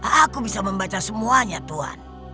aku bisa membaca semuanya tuhan